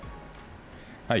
はい。